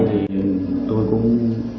thì tôi cũng